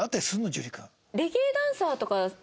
樹君。